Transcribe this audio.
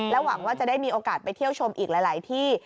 หวังว่าจะได้มีโอกาสไปเที่ยวชมอีกหลายที่